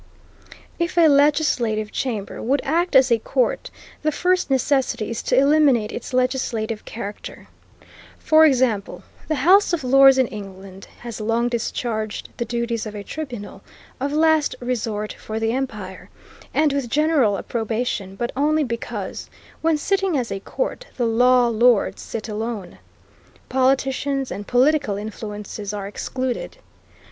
If a legislative chamber would act as a court, the first necessity is to eliminate its legislative character. For example, the House of Lords in England has long discharged the duties of a tribunal of last resort for the empire, and with general approbation, but only because, when sitting as a court, the law lords sit alone. Politicians and political influences are excluded.